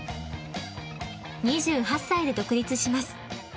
２８歳で独立します。